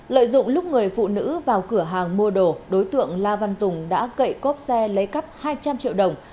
lợi dụng lúc người phụ nữ vào cửa hàng mua đồ đối tượng la văn tùng đã cậy cốp xe lấy cắp hai trăm linh triệu đồng